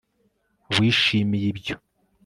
wishimiye ibyo